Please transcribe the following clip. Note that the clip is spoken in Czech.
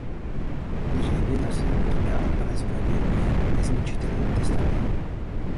Zřejmě nelze prodávat nové zbraně, nezničíte-li ty staré.